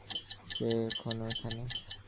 সে এখনো এখানে?